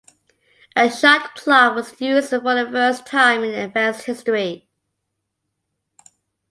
A shot clock was used for the first time in the events history.